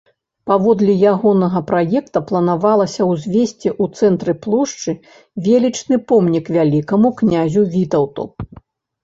Паводле ягонага праекта планавалася ўзвесці ў цэнтры плошчы велічны помнік Вялікаму Князю Вітаўту.